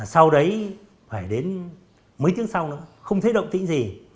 sau đấy phải đến mấy tiếng sau nữa không thấy động tĩnh gì